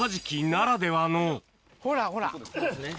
ほらほら。